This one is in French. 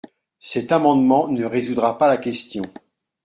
Cet amendement ne résoudra pas la question.